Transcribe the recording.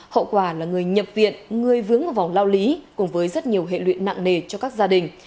hậu quả là người nhập viện người vướng vào vòng lao lý cùng với rất nhiều hệ lụy nặng nề cho các gia đình